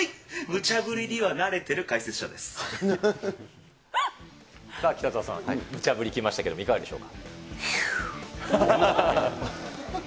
むちゃぶりには慣れてる解説さあ、北澤さん、むちゃぶりきましたけども、いかがでしょうか。